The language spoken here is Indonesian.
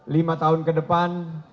lima tahun ke depan